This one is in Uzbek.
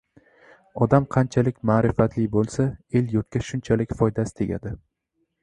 Odam qanchalik ma’rifatli bo‘lsa, el-yurtga shunchalik foydasi tegadi.